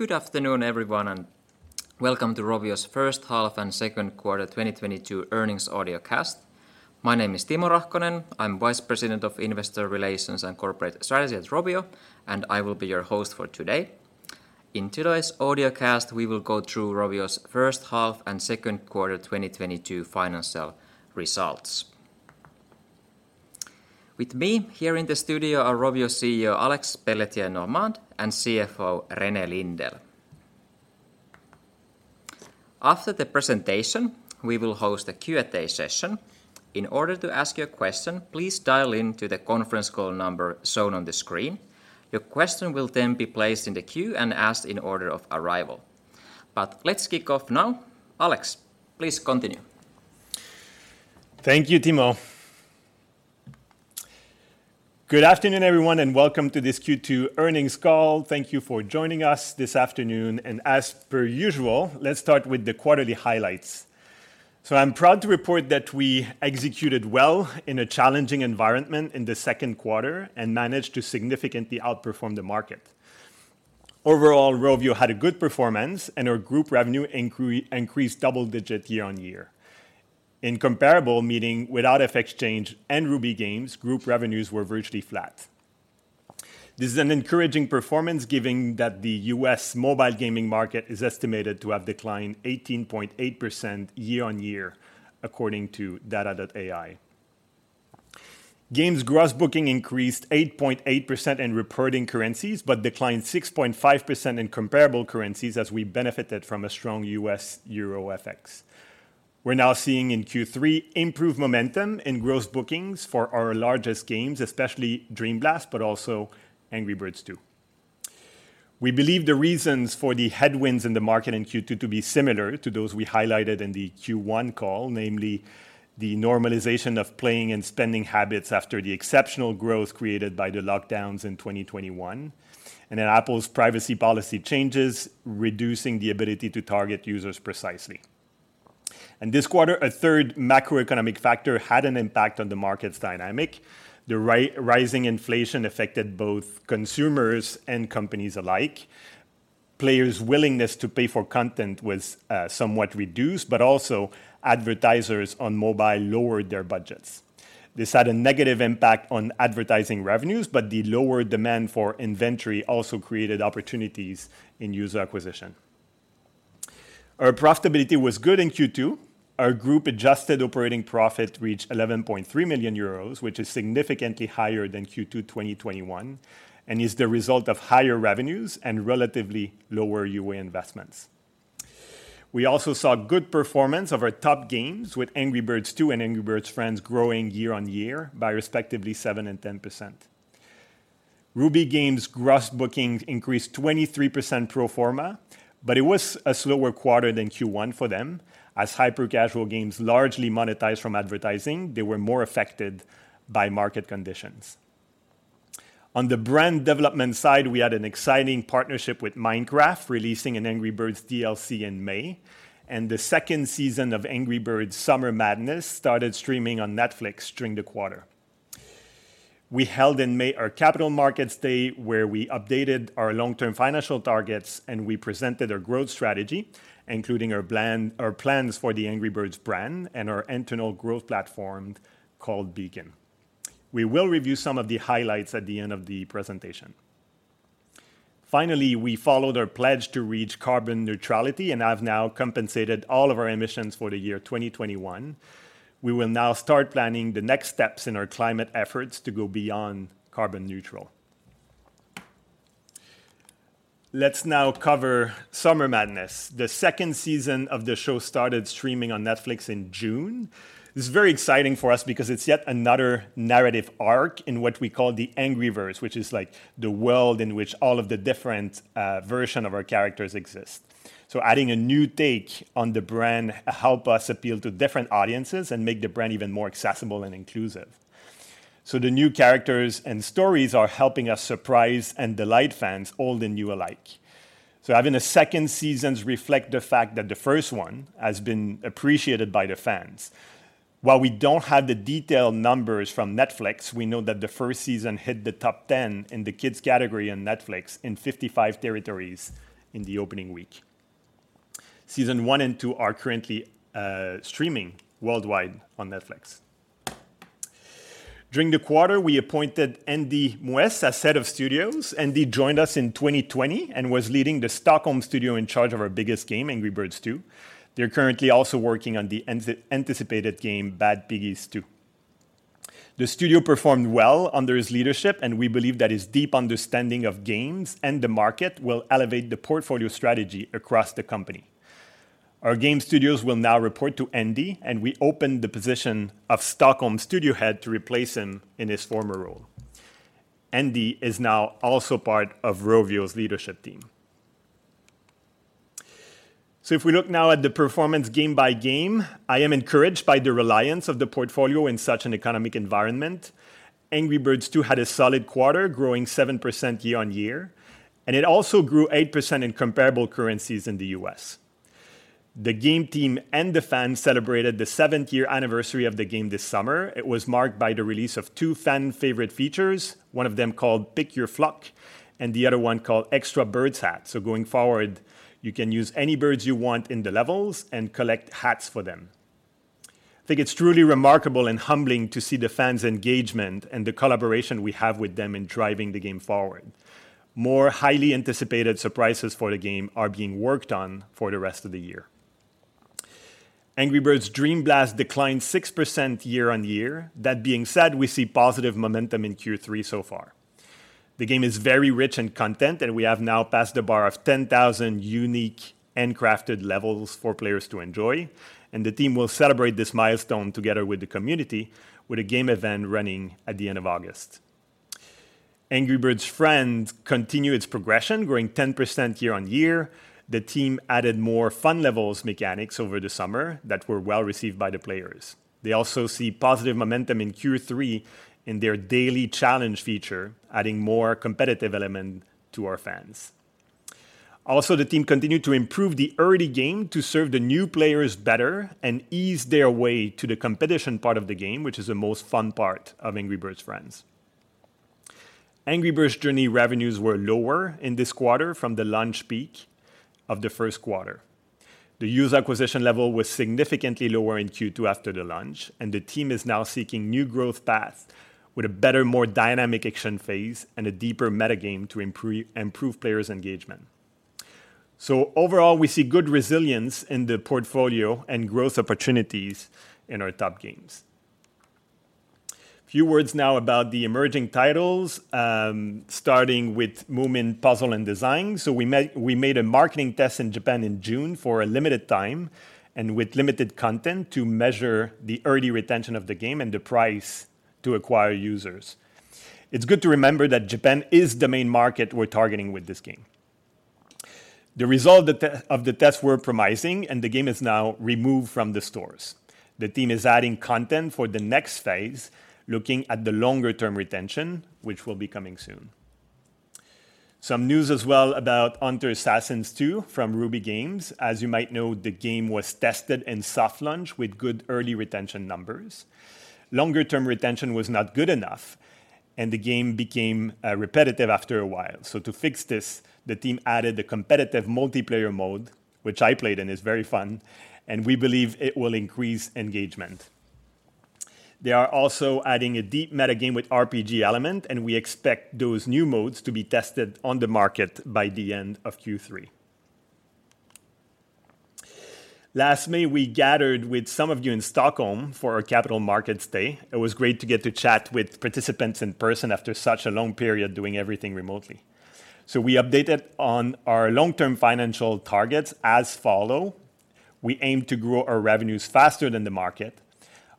Good afternoon, everyone, and welcome to Rovio's first half and second quarter 2022 earnings audio cast. My name is Timo Rahkonen. I'm Vice President of Investor Relations and Corporate Strategy at Rovio, and I will be your host for today. In today's audio cast, we will go through Rovio's first half and second quarter 2022 financial results. With me here in the studio are Rovio CEO Alex Pelletier-Normand and CFO René Lindell. After the presentation, we will host a Q&A session. In order to ask your question, please dial in to the conference call number shown on the screen. Your question will then be placed in the queue and asked in order of arrival. Let's kick off now. Alex, please continue. Thank you, Timo. Good afternoon, everyone, and welcome to this Q2 earnings call. Thank you for joining us this afternoon. As per usual, let's start with the quarterly highlights. I'm proud to report that we executed well in a challenging environment in the second quarter and managed to significantly outperform the market. Overall, Rovio had a good performance and our group revenue increased double-digit year-on-year. In comparable, meaning without FX change and Ruby Games, group revenues were virtually flat. This is an encouraging performance given that the U.S. mobile gaming market is estimated to have declined 18.8% year-on-year according to data.ai. Games gross booking increased 8.8% in reporting currencies, but declined 6.5% in comparable currencies as we benefited from a strong U.S. euro FX. We're now seeing in Q3 improved momentum in gross bookings for our largest games, especially Dream Blast, but also Angry Birds 2. We believe the reasons for the headwinds in the market in Q2 to be similar to those we highlighted in the Q1 call, namely the normalization of playing and spending habits after the exceptional growth created by the lockdowns in 2021, and then Apple's privacy policy changes reducing the ability to target users precisely. This quarter, a third macroeconomic factor had an impact on the market's dynamics. The rising inflation affected both consumers and companies alike. Players' willingness to pay for content was somewhat reduced, but also advertisers on mobile lowered their budgets. This had a negative impact on advertising revenues, but the lower demand for inventory also created opportunities in user acquisition. Our profitability was good in Q2. Our group adjusted operating profit reached 11.3 million euros, which is significantly higher than Q2 2021 and is the result of higher revenues and relatively lower UA investments. We also saw good performance of our top games with Angry Birds 2 and Angry Birds Friends growing year-over-year by respectively 7% and 10%. Ruby Games gross bookings increased 23% pro forma, but it was a slower quarter than Q1 for them. As hyper-casual games largely monetized from advertising, they were more affected by market conditions. On the brand development side, we had an exciting partnership with Minecraft, releasing an Angry Birds DLC in May, and the second season of Angry Birds: Summer Madness started streaming on Netflix during the quarter. We held in May our Capital Markets Day where we updated our long-term financial targets and we presented our growth strategy, including our plan, our plans for the Angry Birds brand and our internal growth platform called Beacon. We will review some of the highlights at the end of the presentation. Finally, we followed our pledge to reach carbon neutrality, and I've now compensated all of our emissions for the year 2021. We will now start planning the next steps in our climate efforts to go beyond carbon neutral. Let's now cover Summer Madness. The second season of the show started streaming on Netflix in June. This is very exciting for us because it's yet another narrative arc in what we call the Angryverse, which is like the world in which all of the different version of our characters exist. Adding a new take on the brand help us appeal to different audiences and make the brand even more accessible and inclusive. The new characters and stories are helping us surprise and delight fans, old and new alike. Having the second seasons reflect the fact that the first one has been appreciated by the fans. While we don't have the detailed numbers from Netflix, we know that the first season hit the top 10 in the kids category on Netflix in 55 territories in the opening week. Season 1 and 2 are currently streaming worldwide on Netflix. During the quarter, we appointed Andy Muesse as Head of Studios. Andy joined us in 2020 and was leading the Stockholm studio in charge of our biggest game, Angry Birds 2. They're currently also working on the much-anticipated game, Bad Piggies 2. The studio performed well under his leadership, and we believe that his deep understanding of games and the market will elevate the portfolio strategy across the company. Our game studios will now report to Andy, and we open the position of Stockholm studio head to replace him in his former role. Andy is now also part of Rovio's leadership team. If we look now at the performance, game by game, I am encouraged by the reliance of the portfolio in such an economic environment. Angry Birds 2 had a solid quarter, growing 7% year-on-year, and it also grew 8% in comparable currencies in the U.S. The game team and the fans celebrated the seventh-year anniversary of the game this summer. It was marked by the release of two fan favorite features, one of them called Pick Your Flock, and the other one called Extra Birds Hat. Going forward, you can use any birds you want in the levels and collect hats for them. I think it's truly remarkable and humbling to see the fans' engagement and the collaboration we have with them in driving the game forward. More highly anticipated surprises for the game are being worked on for the rest of the year. Angry Birds Dream Blast declined 6% year-on-year. That being said, we see positive momentum in Q3 so far. The game is very rich in content, and we have now passed the bar of 10,000 unique and crafted levels for players to enjoy, and the team will celebrate this milestone together with the community with a game event running at the end of August. Angry Birds Friends continue its progression, growing 10% year-on-year. The team added more fun levels mechanics over the summer that were well-received by the players. They also see positive momentum in Q3 in their daily challenge feature, adding more competitive element to our fans. The team continued to improve the early game to serve the new players better and ease their way to the competition part of the game, which is the most fun part of Angry Birds Friends. Angry Birds Journey revenues were lower in this quarter from the launch peak of the first quarter. The user acquisition level was significantly lower in Q2 after the launch, and the team is now seeking new growth paths with a better, more dynamic action phase and a deeper meta game to improve players' engagement. Overall, we see good resilience in the portfolio and growth opportunities in our top games. Few words now about the emerging titles, starting with Moomin: Puzzle & Design. We made a marketing test in Japan in June for a limited time and with limited content to measure the early retention of the game and the price to acquire users. It's good to remember that Japan is the main market we're targeting with this game. The result of the tests were promising, and the game is now removed from the stores. The team is adding content for the next phase, looking at the longer-term retention, which will be coming soon. Some news as well about Hunter Assassin 2 from Ruby Games. As you might know, the game was tested in soft launch with good early retention numbers. Longer term retention was not good enough, and the game became repetitive after a while. To fix this, the team added a competitive multiplayer mode, which I played and is very fun, and we believe it will increase engagement. They are also adding a deep meta game with RPG element, and we expect those new modes to be tested on the market by the end of Q3. Last May, we gathered with some of you in Stockholm for our Capital Markets Day. It was great to get to chat with participants in person after such a long period doing everything remotely. We updated on our long-term financial targets as follow. We aim to grow our revenues faster than the market.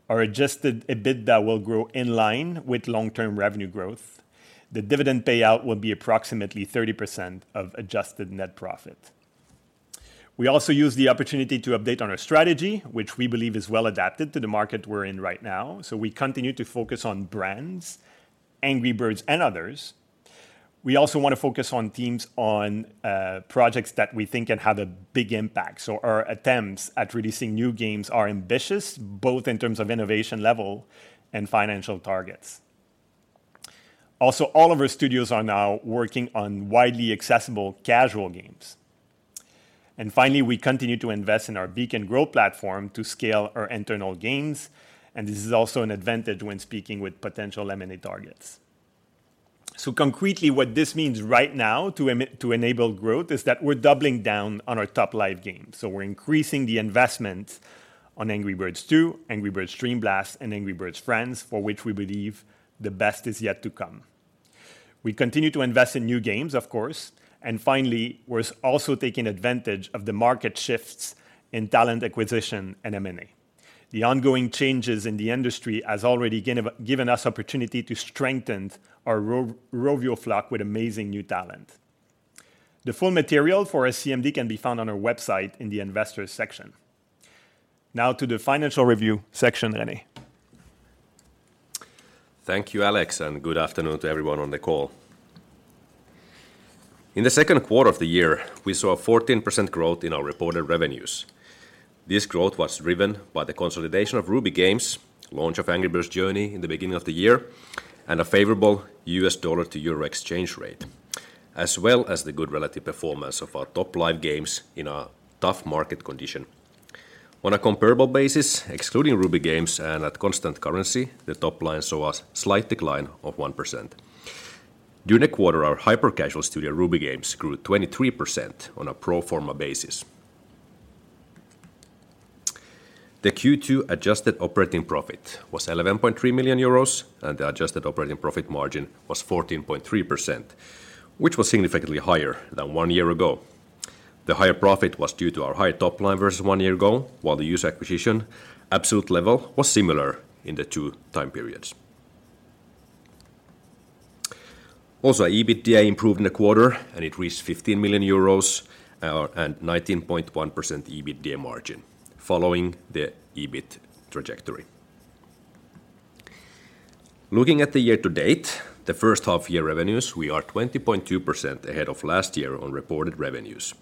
Our adjusted EBITDA will grow in line with long-term revenue growth. The dividend payout will be approximately 30% of adjusted net profit. We also used the opportunity to update on our strategy, which we believe is well-adapted to the market we're in right now. We continue to focus on brands, Angry Birds and others. We also want to focus on teams on projects that we think can have a big impact. Our attempts at releasing new games are ambitious, both in terms of innovation level and financial targets. Also, all of our studios are now working on widely accessible casual games. Finally, we continue to invest in our Beacon Growth platform to scale our internal gains, and this is also an advantage when speaking with potential M&A targets. Concretely, what this means right now to enable growth is that we're doubling down on our top live games. We're increasing the investment on Angry Birds 2, Angry Birds Dream Blast, and Angry Birds Friends, for which we believe the best is yet to come. We continue to invest in new games, of course, and finally, we're also taking advantage of the market shifts in talent acquisition and M&A. The ongoing changes in the industry has already given us opportunity to strengthen our Rovio flock with amazing new talent. The full material for our CMD can be found on our website in the investors section. Now to the financial review section, René. Thank you, Alex, and good afternoon to everyone on the call. In the second quarter of the year, we saw a 14% growth in our reported revenues. This growth was driven by the consolidation of Ruby Games, launch of Angry Birds Journey in the beginning of the year, and a favorable U.S. dollar to euro exchange rate, as well as the good relative performance of our top live games in a tough market condition. On a comparable basis, excluding Ruby Games and at constant currency, the top line saw a slight decline of 1%. During the quarter, our hyper-casual studio, Ruby Games, grew 23% on a pro forma basis. The Q2 adjusted operating profit was 11.3 million euros, and the adjusted operating profit margin was 14.3%, which was significantly higher than one year ago. The higher profit was due to our higher top line versus one year ago, while the user acquisition absolute level was similar in the two time periods. EBITDA improved in the quarter, and it reached 15 million euros and 19.1% EBITDA margin following the EBIT trajectory. Looking at the year-to-date, the first half year revenues, we are 20.2% ahead of last year on reported revenues.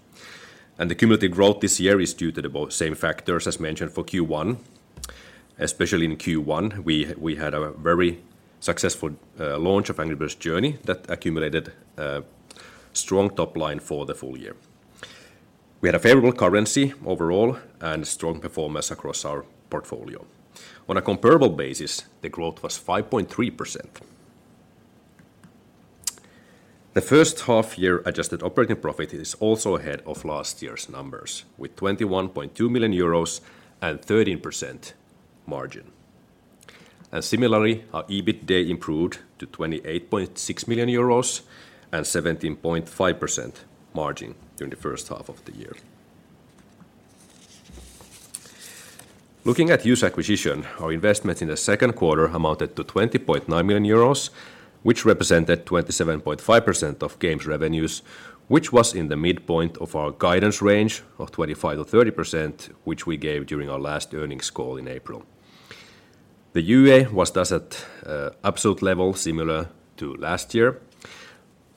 The cumulative growth this year is due to the same factors as mentioned for Q1. Especially in Q1, we had a very successful launch of Angry Birds Journey that accumulated strong top line for the full year. We had a favorable currency overall and strong performance across our portfolio. On a comparable basis, the growth was 5.3%. The first half year adjusted operating profit is also ahead of last year's numbers with 21.2 million euros and 13% margin. Similarly, our EBITDA improved to 28.6 million euros and 17.5% margin during the first half of the year. Looking at user acquisition, our investment in the second quarter amounted to 20.9 million euros, which represented 27.5% of Games revenues, which was in the midpoint of our guidance range of 25%-30%, which we gave during our last earnings call in April. The UA was thus at absolute level similar to last year,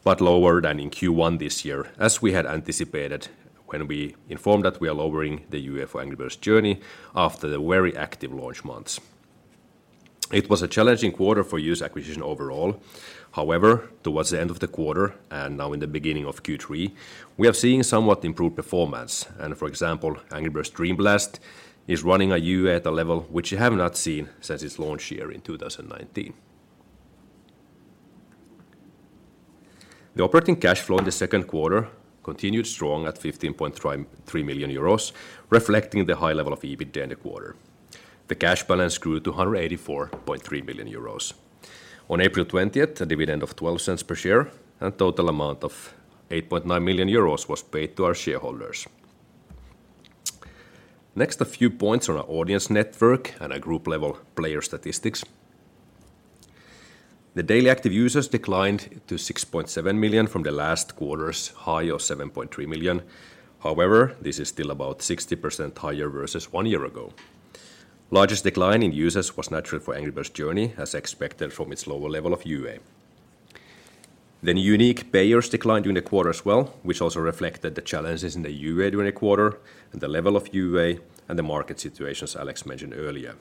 but lower than in Q1 this year, as we had anticipated when we informed that we are lowering the UA for Angry Birds Journey after the very active launch months. It was a challenging quarter for user acquisition overall. However, towards the end of the quarter, and now in the beginning of Q3, we are seeing somewhat improved performance. For example, Angry Birds Dream Blast is running a UA at a level which we have not seen since its launch year in 2019. The operating cash flow in the second quarter continued strong at 15.3 million euros, reflecting the high level of EBITDA in the quarter. The cash balance grew to 184.3 million euros. On April 20th, a dividend of 0.12 EUR per share and total amount of 8.9 million euros was paid to our shareholders. Next, a few points on our audience network and our group level player statistics. The daily active users declined to 6.7 million from the last quarter's high of 7.3 million. However, this is still about 60% higher versus one year ago. Largest decline in users was naturally for Angry Birds Journey, as expected from its lower level of UA. Unique payers declined during the quarter as well, which also reflected the challenges in the UA during the quarter and the level of UA and the market situations Alex mentioned earlier.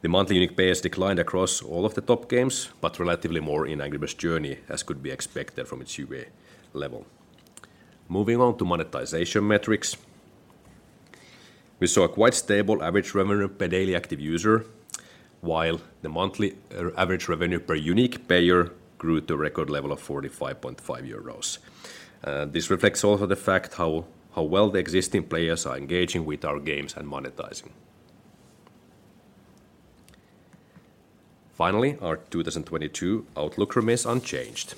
The monthly unique payers declined across all of the top games, but relatively more in Angry Birds Journey, as could be expected from its UA level. Moving on to monetization metrics. We saw a quite stable average revenue per daily active user, while the monthly average revenue per unique payer grew to a record level of 45.5 euros. This reflects also the fact how well the existing players are engaging with our games and monetizing. Finally, our 2022 outlook remains unchanged.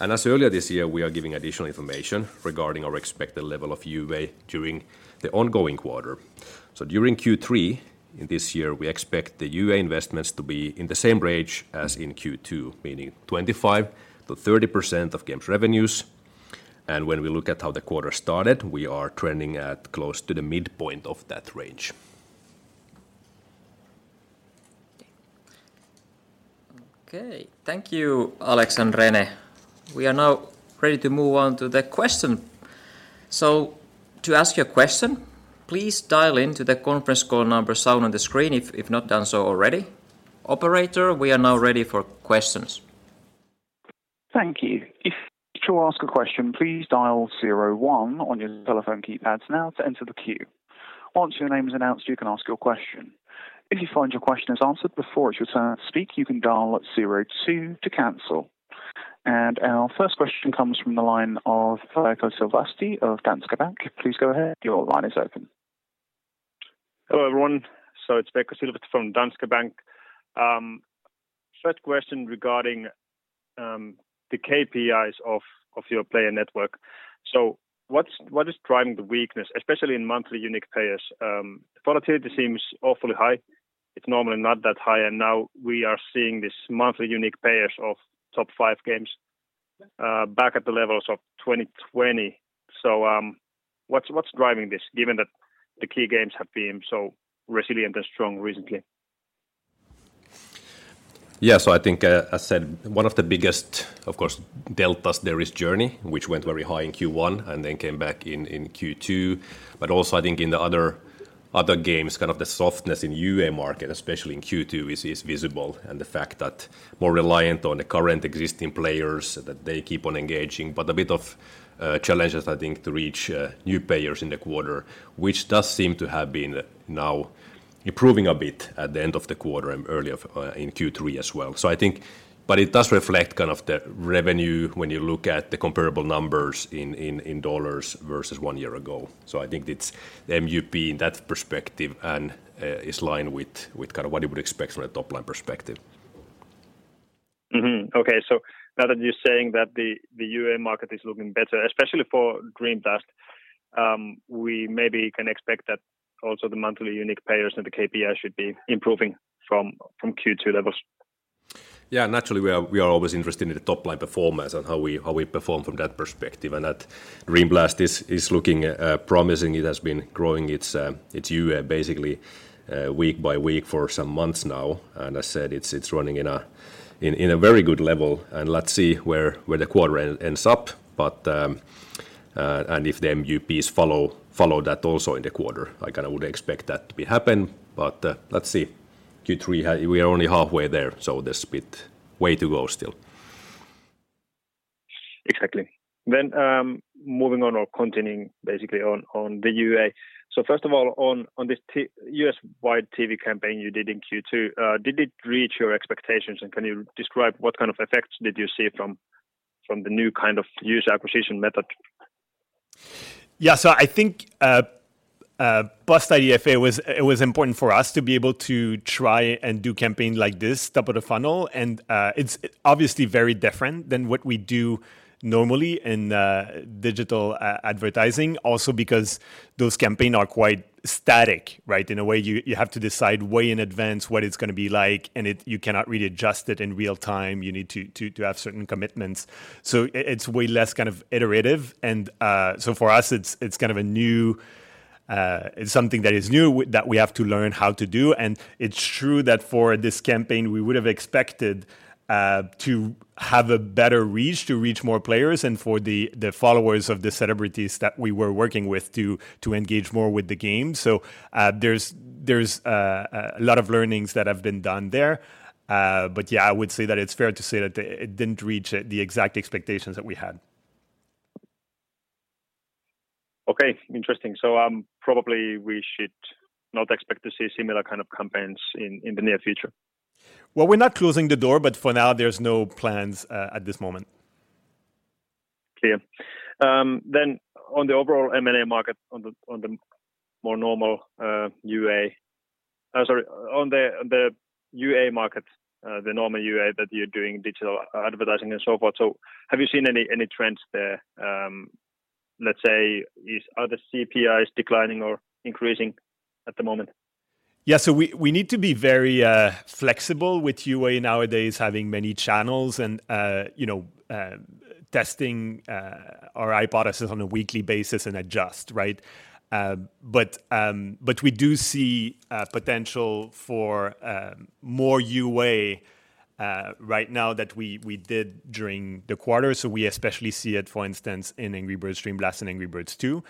As earlier this year, we are giving additional information regarding our expected level of UA during the ongoing quarter. During Q3 in this year, we expect the UA investments to be in the same range as in Q2, meaning 25%-30% of Games revenues. When we look at how the quarter started, we are trending at close to the midpoint of that range. Okay. Thank you, Alex and René. We are now ready to move on to the question. To ask your question, please dial into the conference call number shown on the screen if not done so already. Operator, we are now ready for questions. Thank you. To ask a question, please dial zero one on your telephone keypads now to enter the queue. Once your name is announced, you can ask your question. If you find your question is answered before it's your turn to speak, you can dial zero two to cancel. Our first question comes from the line of Veikko Silvasti of Danske Bank. Please go ahead. Your line is open. Hello, everyone. It's Veikko Silvasti from Danske Bank. First question regarding the KPIs of your player network. What is driving the weakness, especially in monthly unique payers? Volatility seems awfully high. It's normally not that high, and now we are seeing this monthly unique payers of top five games back at the levels of 2020. What's driving this given that the key games have been so resilient and strong recently? Yeah. I think, as said, one of the biggest, of course, deltas there is Journey, which went very high in Q1 and then came back in Q2. I think in the other games, kind of the softness in UA market, especially in Q2, is visible and the fact that more reliant on the current existing players, that they keep on engaging. A bit of challenges, I think, to reach new payers in the quarter, which does seem to have been now improving a bit at the end of the quarter and early in Q3 as well. I think it does reflect kind of the revenue when you look at the comparable numbers in dollars versus one year ago. I think it's the MUP in that perspective and is in line with kind of what you would expect from a top-line perspective. Mm-hmm. Okay. Now that you're saying that the UA market is looking better, especially for Dream Blast, we maybe can expect that also the monthly unique payers and the KPI should be improving from Q2 levels? Yeah, naturally we are always interested in the top line performance and how we perform from that perspective, and that Dream Blast is looking promising. It has been growing its UA basically week-by-week for some months now. As said, it's running in a very good level and let's see where the quarter ends up. And if the MUPs follow that also in the quarter. I kind of would expect that to happen, let's see. Q3 we are only halfway there, so there's a bit of a way to go still. Exactly. Moving on or continuing basically on the UA. First of all on this the U.S.-wide TV campaign you did in Q2, did it reach your expectations, and can you describe what kind of effects did you see from the new kind of user acquisition method? Yeah. I think post-IDFA it was important for us to be able to try and do campaigns like this, top of the funnel. It's obviously very different than what we do normally in digital advertising. Also because those campaigns are quite static, right? In a way you have to decide way in advance what it's gonna be like, and you cannot really adjust it in real-time. You need to have certain commitments. It's way less kind of iterative. For us it's kind of a new. It's something that is new that we have to learn how to do. It's true that for this campaign, we would have expected to have a better reach, to reach more players, and for the followers of the celebrities that we were working with to engage more with the game. There's a lot of learnings that have been done there. But yeah, I would say that it's fair to say that it didn't reach the exact expectations that we had. Okay. Interesting. Probably we should not expect to see similar kind of campaigns in the near future? Well, we're not closing the door, but for now there's no plans at this moment. Clear. On the UA market, the normal UA that you're doing digital advertising and so forth. Have you seen any trends there, let's say, are the CPIs declining or increasing at the moment? Yeah. We need to be very flexible with UA nowadays, having many channels and you know testing our hypothesis on a weekly basis and adjust, right? But we do see potential for more UA right now than we did during the quarter. We especially see it, for instance, in Angry Birds Dream Blast and Angry Birds 2.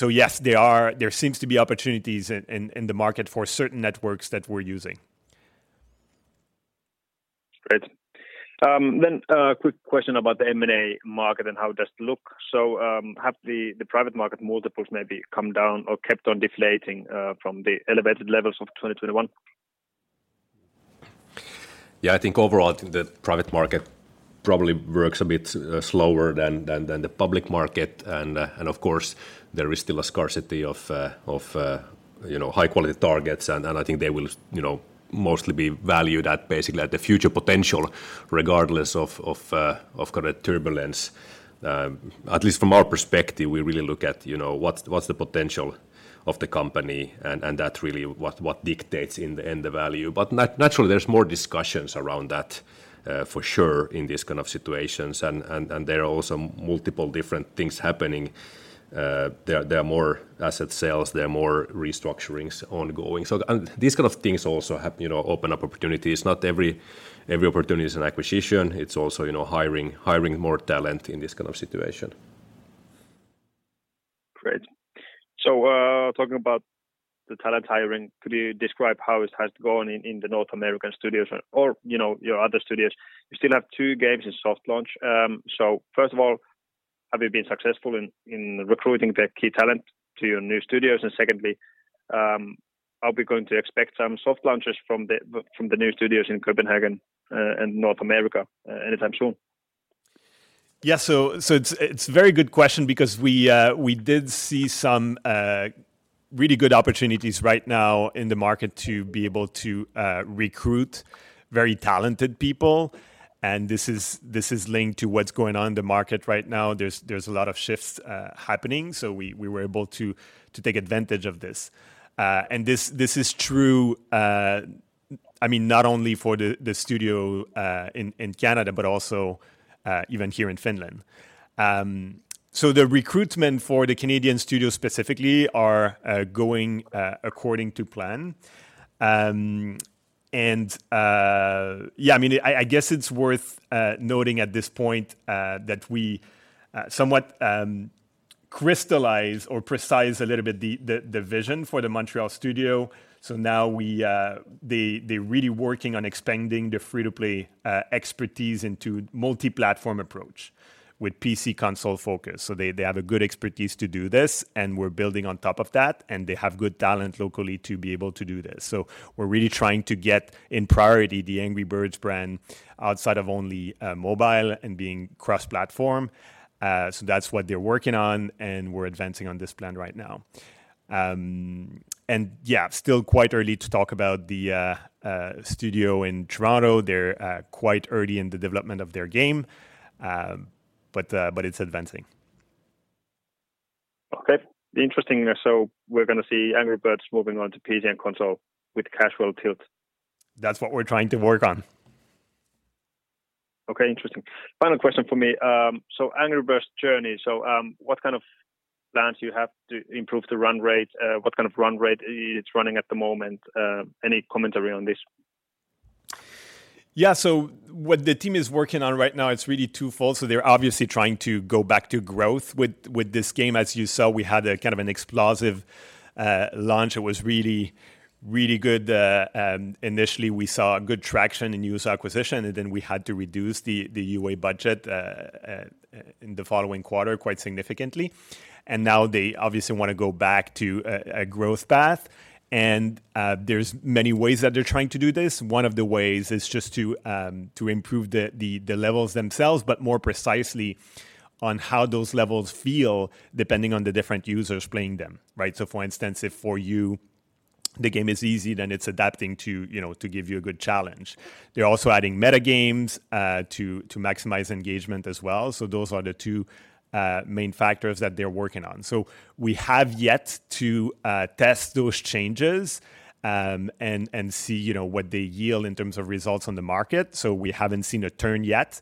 Yes, there seems to be opportunities in the market for certain networks that we're using. Great. A quick question about the M&A market and how it does look. Have the private market multiples maybe come down or kept on deflating from the elevated levels of 2021? Yeah, I think overall, I think the private market probably works a bit slower than the public market. Of course, there is still a scarcity of you know, high quality targets. I think they will you know, mostly be valued at basically at the future potential regardless of current turbulence. At least from our perspective, we really look at you know, what's the potential of the company and that really what dictates in the value. Naturally, there's more discussions around that for sure in these kind of situations. There are also multiple different things happening. There are more asset sales, there are more restructurings ongoing. These kind of things also you know, open up opportunities. Not every opportunity is an acquisition. It's also, you know, hiring more talent in this kind of situation. Great. Talking about the talent hiring, could you describe how it has gone in the North American studios or, you know, your other studios? You still have two games in soft launch. First of all, have you been successful in recruiting the key talent to your new studios? Secondly, are we going to expect some soft launches from the new studios in Copenhagen and North America anytime soon? It's a very good question because we did see some really good opportunities right now in the market to be able to recruit very talented people. This is linked to what's going on in the market right now. There's a lot of shifts happening, so we were able to take advantage of this. This is true, I mean, not only for the studio in Canada, but also even here in Finland. The recruitment for the Canadian studio specifically are going according to plan. I mean, I guess it's worth noting at this point that we somewhat crystallize or precise a little bit the vision for the Montreal studio. They are really working on expanding the free-to-play expertise into multi-platform approach with PC console focus. They have a good expertise to do this, and we're building on top of that, and they have good talent locally to be able to do this. We're really trying to get in priority the Angry Birds brand outside of only mobile and being cross-platform. That's what they're working on, and we're advancing on this plan right now. Still quite early to talk about the studio in Toronto. They're quite early in the development of their game, but it's advancing. Okay. Interesting. We're gonna see Angry Birds moving on to PC and console with casual title. That's what we're trying to work on. Okay, interesting. Final question for me. Angry Birds Journey, what kind of plans you have to improve the run rate? What kind of run rate it's running at the moment? Any commentary on this? Yeah. What the team is working on right now, it's really twofold. They're obviously trying to go back to growth with this game. As you saw, we had a kind of an explosive launch. It was really, really good. Initially we saw good traction in U.S. acquisition, and then we had to reduce the UA budget in the following quarter quite significantly. Now they obviously wanna go back to a growth path. There's many ways that they're trying to do this. One of the ways is just to improve the levels themselves, but more precisely on how those levels feel depending on the different users playing them, right? For instance, if for you the game is easy, then it's adapting to, you know, to give you a good challenge. They're also adding meta games to maximize engagement as well. Those are the two main factors that they're working on. We have yet to test those changes and see, you know, what they yield in terms of results on the market. We haven't seen a turn yet,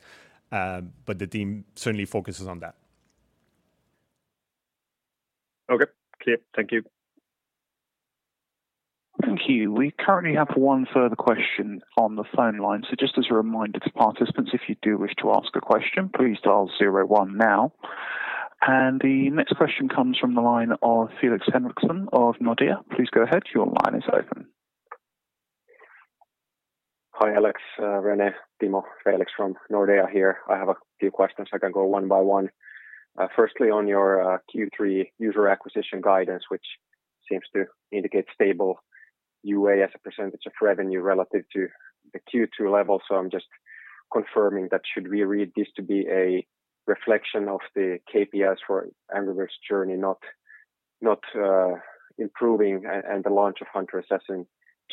but the team certainly focuses on that. Okay. Clear. Thank you. Thank you. We currently have one further question on the phone line. Just as a reminder to participants, if you do wish to ask a question, please dial zero one now. The next question comes from the line of Felix Henriksson of Nordea. Please go ahead. Your line is open. Hi, Alex, René, Timo. Felix from Nordea here. I have a few questions. I can go one by one. Firstly, on your Q3 user acquisition guidance, which seems to indicate stable UA as a percentage of revenue relative to the Q2 level. I'm just confirming that should we read this to be a reflection of the KPIs for Angry Birds Journey not improving and the launch of Hunter Assassin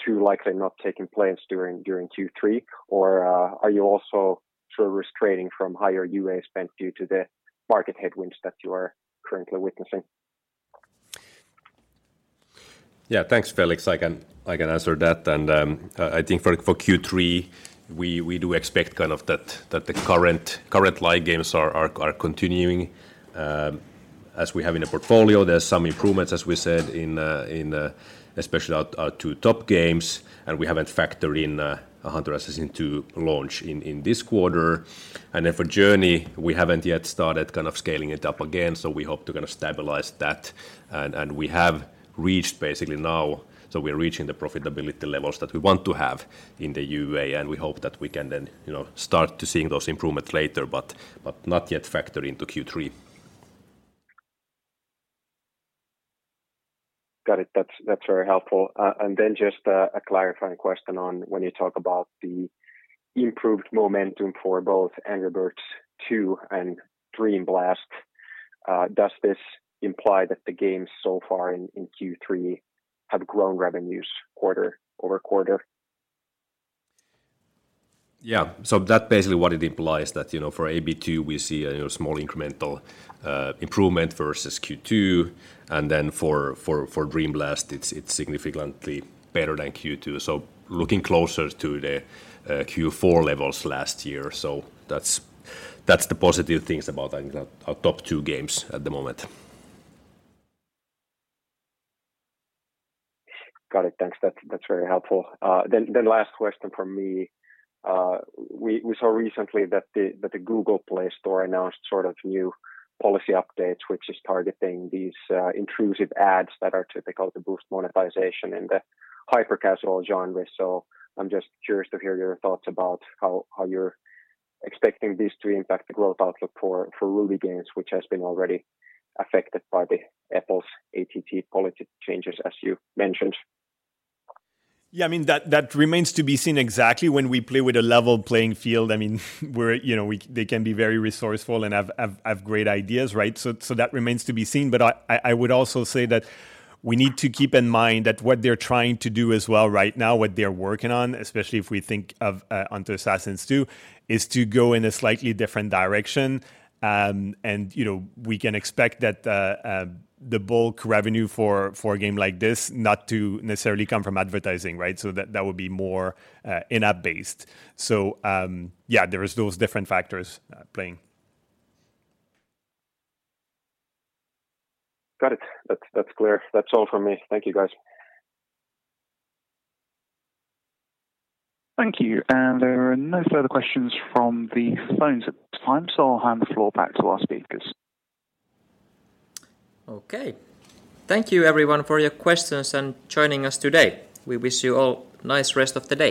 2 likely not taking place during Q3? Or are you also sort of restraining from higher UA spend due to the market headwinds that you are currently witnessing? Yeah. Thanks, Felix. I can answer that. I think for Q3, we do expect kind of that the current live games are continuing as we have in the portfolio. There are some improvements, as we said, in especially our two top games, and we haven't factored in Hunter Assassin to launch in this quarter. For Journey, we haven't yet started kind of scaling it up again, so we hope to kind of stabilize that. We have reached basically now. We're reaching the profitability levels that we want to have in the UA, and we hope that we can then, you know, start to seeing those improvements later, but not yet factor into Q3. Got it. That's very helpful. Just a clarifying question on when you talk about the improved momentum for both Angry Birds 2 and Dream Blast, does this imply that the games so far in Q3 have grown revenues quarter-over-quarter? Yeah. That's basically what it implies that, you know, for AB Two we see a you know small incremental improvement versus Q2, and then for Dream Blast, it's significantly better than Q2, so looking closer to the Q4 levels last year. That's the positive things about our top two games at the moment. Got it. Thanks. That's very helpful. Last question from me. We saw recently that the Google Play Store announced sort of new policy updates, which is targeting these intrusive ads that are typical to boost monetization in the hyper-casual genre. I'm just curious to hear your thoughts about how you're expecting this to impact the growth outlook for Ruby Games, which has been already affected by Apple's ATT policy changes, as you mentioned. Yeah, I mean, that remains to be seen exactly when we play with a level playing field. I mean, they can be very resourceful and have great ideas, right? That remains to be seen. I would also say that we need to keep in mind that what they're trying to do as well right now, what they're working on, especially if we think of Hunter Assassin 2, is to go in a slightly different direction. You know, we can expect that the bulk revenue for a game like this not to necessarily come from advertising, right? That would be more in-app based. Yeah, there is those different factors playing. Got it. That's clear. That's all from me. Thank you, guys. Thank you. There are no further questions from the phones at this time, so I'll hand the floor back to our speakers. Okay. Thank you everyone for your questions and joining us today. We wish you all a nice rest of the day.